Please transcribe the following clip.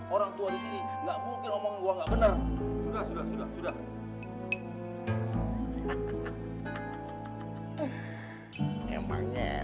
orang tua disini gak mungkin ngomongin gue gak bener